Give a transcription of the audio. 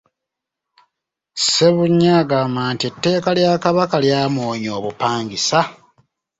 Ssebunya agamba nti ettaka lya Kabaka lyamuwonya obupangisa.